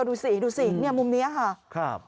ดูสิมุมนี้ค่ะครับ